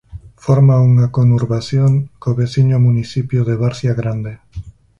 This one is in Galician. Forma unha conurbación co veciño municipio de Várzea Grande.